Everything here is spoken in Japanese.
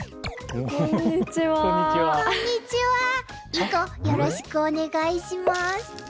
いごよろしくお願いします。